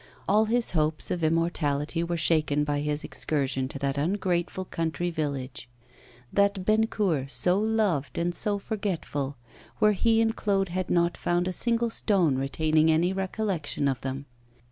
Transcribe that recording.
All his hopes of immortality were shaken by his excursion to that ungrateful country village, that Bennecourt, so loved and so forgetful, where he and Claude had not found a single stone retaining any recollection of them.